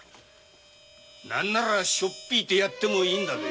なんならしょっ引いてやってもいいんだぜ！